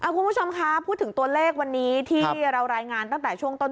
คุณผู้ชมคะพูดถึงตัวเลขวันนี้ที่เรารายงานตั้งแต่ช่วงต้น